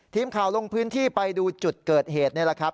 ทีมข่าวลงพื้นที่ไปดูจุดเกิดเหตุนี่แหละครับ